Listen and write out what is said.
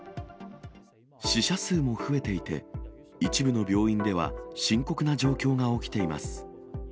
死者数も増えていて、一部の病院では、深刻な状況が起きています。